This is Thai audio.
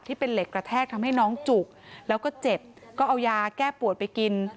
ที่เป็นเหล็กกระแทกทำให้น้องจุกแล้วก็เจ็บก็เอายาแก้ปวดไปกิน